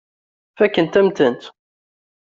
Fakkent-am-tent.